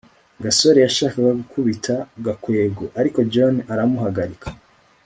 gasore yashakaga gukubita gakwego, ariko john aramuhagarika